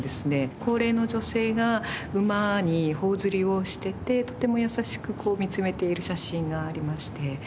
高齢の女性が馬に頬ずりをしててとても優しく見つめている写真がありまして。